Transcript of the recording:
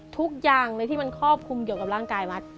ทุกอย่างเลยที่มันครอบคลุมเกี่ยวกับร่างกายมัด